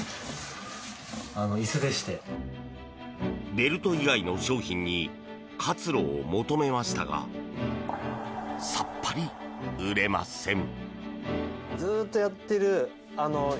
ベルト以外の商品に活路を求めましたがさっぱり売れません。